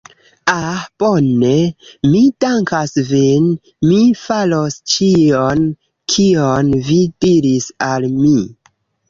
Ah? Bone. Mi dankas vin. Mi faros ĉion kion vi diris al mi.